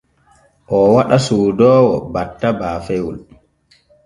Oo waɗa soodoowo batta baafewol.